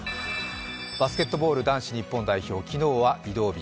バスケットボール男子日本代表、昨日は移動日。